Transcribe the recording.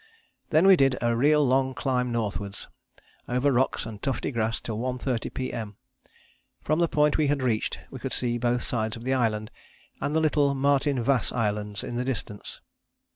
"Then we did a real long climb northwards, over rocks and tufty grass till 1.30 P.M. From the point we had reached we could see both sides of the island, and the little Martin Vas islands in the distance.